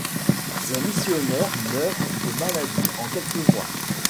Les missionnaires meurent de maladie en quelques mois.